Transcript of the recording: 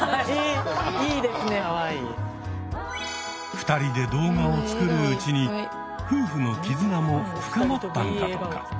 ２人で動画を作るうちに夫婦の絆も深まったんだとか。